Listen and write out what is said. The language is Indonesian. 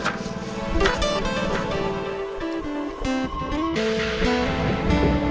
sepertbisa pembukaan konteks urusan schizofrenia ocasional